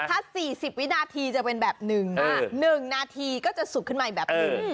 ถ้า๔๐วินาทีจะเป็นแบบ๑นาทีก็จะสุกขึ้นมาอีกแบบหนึ่ง